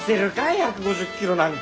１５０キロなんか！